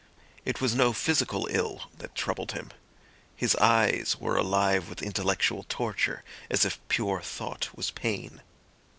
It was no physical ill that troubled him. His eyes were alive with intellectual torture, as if pure thought was pain.